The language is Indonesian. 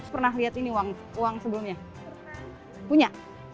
pernah lihat ini uang sebelumnya punya